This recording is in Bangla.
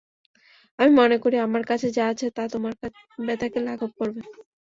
আমি মনে করি আমার কাছে যা আছে তা তোমার ব্যাথাকে লাঘব করবে।